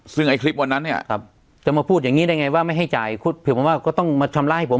ซึ่งไอ้คลิปวันนั้นเนี่ยจะมาพูดอย่างนี้ได้ไงว่าไม่ให้จ่ายเผื่อผมว่าก็ต้องมาชำระให้ผม